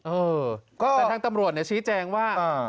เออแต่ทางตำรวจชี้แจงว่า